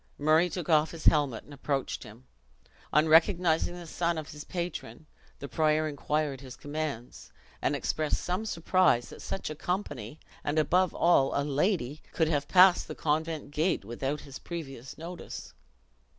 Murray took off his helmet, and approached him. On recognizing the son of his patron, the prior inquired his commands; and expressed some surprise that such a company, and above all, a lady, could have passed the convent gate without his previous notice.